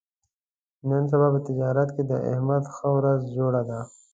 نن سبا په تجارت کې د احمد ښه ورځ جوړه ده.